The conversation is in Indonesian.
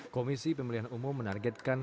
komisi pemilihan umum menargetkan